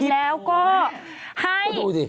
แล้วก็ให้กลับมา